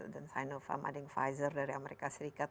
dan sinovac ada pfizer dari amerika serikat